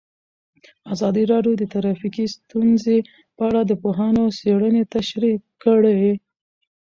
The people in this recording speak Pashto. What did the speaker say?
ازادي راډیو د ټرافیکي ستونزې په اړه د پوهانو څېړنې تشریح کړې.